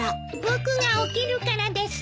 僕が起きるからです。